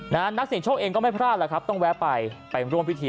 นักเสียงโชคเองก็ไม่พลาดแล้วครับต้องแวะไปไปร่วมพิธี